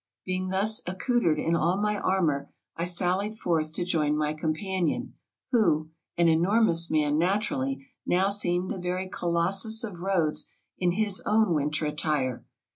Being thus accoutered in all my armor, I sallied forth to join my companion, who, an enormous man naturally, now seemed a very Colossus of Rhodes in his own winter attire.